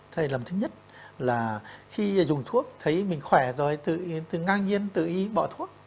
sai lầm thứ nhất là khi dùng thuốc thấy mình khỏe rồi tự ngang nhiên tự ý bỏ thuốc